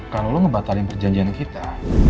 kalau lu ngebatalin perjanjian kita